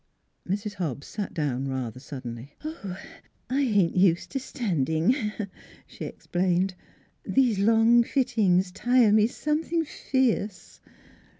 Mrs. Hobbs sat down rather suddenly. " I ain't ust' to standing," she explained. ' These long fittings tire me something fierce."